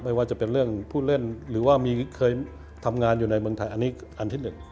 ไม่ว่าจะเป็นเรื่องผู้เล่นหรือว่ามีเคยทำงานอยู่ในเมืองไทยอันนี้อันที่๑